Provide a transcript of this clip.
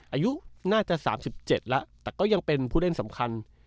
อายุน่าจะ๓๗แล้วแต่ก็ยังเป็นผู้เล่นสำคัญ